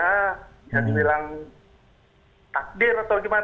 bisa dibilang takdir atau gimana